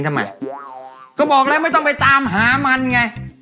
เมื่อกี้พ่อเนี่ยหัวทิ้งโป๊ะเข้าไปเลยเนี่ย